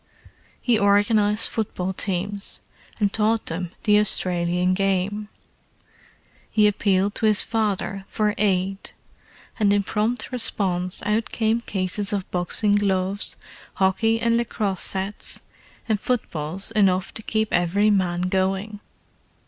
He organized football teams, and taught them the Australian game: he appealed to his father for aid, and in prompt response out came cases of boxing gloves, hockey and lacrosse sets, and footballs enough to keep every man going.